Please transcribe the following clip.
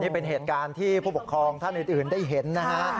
นี่เป็นเหตุการณ์ที่ผู้ปกครองท่านอื่นได้เห็นนะฮะ